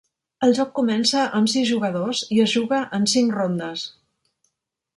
El joc comença amb sis jugadors i es juga en cinc rondes.